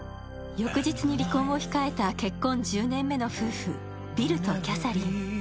翌日に離婚を控えた結婚１０年目の夫婦、ビルとキャサリン。